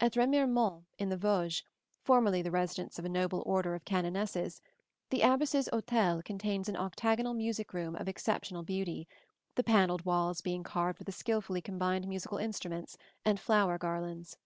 At Remiremont in the Vosges, formerly the residence of a noble order of canonesses, the abbess's hôtel contains an octagonal music room of exceptional beauty, the panelled walls being carved with skilfully combined musical instruments and flower garlands.